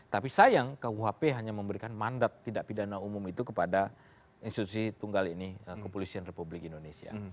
tapi sayang kuhp hanya memberikan mandat tidak pidana umum itu kepada institusi tunggal ini kepolisian republik indonesia